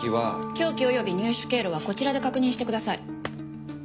凶器および入手経路はこちらで確認してください。